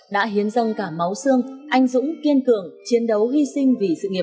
đã hiến dâng cả máu xương anh dũng kiên cường chiến đấu hy sinh